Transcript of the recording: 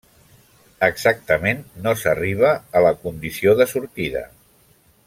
Exactament, no s'arriba a la condició de sortida.